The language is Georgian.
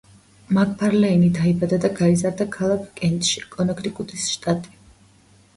მაკფარლეინი დაიბადა და გაიზარდა ქალაქ კენტში, კონექტიკუტის შტატი.